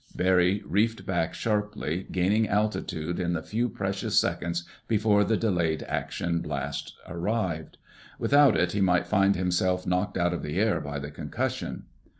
_" Barry reefed back sharply, gaining altitude in the few precious seconds before the delayed action blast arrived. Without it he might find himself knocked out of the air by the concussion.